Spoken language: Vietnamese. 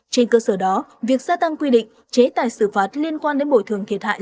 trên cơ sở đó việc gia tăng quy định chế tài xử phạt liên quan đến bồi thường thiệt hại